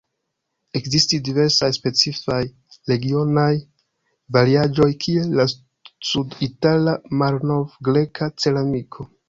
Ekzistis diversaj specifaj regionaj variaĵoj, kiel la sud-itala malnov-greka ceramiko.